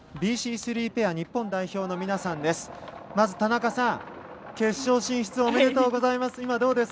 ３ペア日本代表の皆さんです。